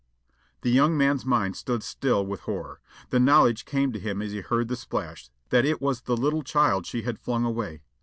The young man's mind stood still with horror. The knowledge came to him as he heard the splash that it was the little child she had flung away.